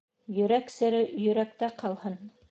Йөрәк сере йөрәктә ҡалһын.